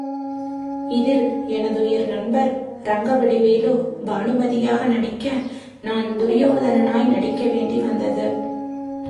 இதில் எனதுயிர் நண்பர் ரங்கவடிவேலு பானுமதியாக நடிக்க, நான் துரியோதனனாய் நடிக்க வேண்டி வந்தது.